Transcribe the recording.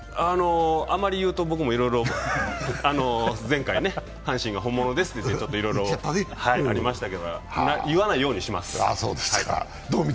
あまり言うと、僕もいろいろ前回阪神が本物ですとありましたけど、言わないようにします。